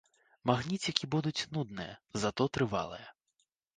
Магніцікі будуць нудныя, затое трывалыя.